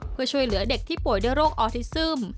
เพื่อช่วยเหลือเด็กที่ป่วยด้วยโรคออทิซึม